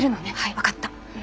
分かった。